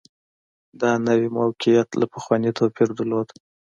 دا نوي موقعیت له پخواني توپیر درلود